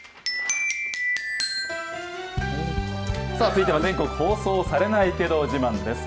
続いては全国放送されないけど自慢です。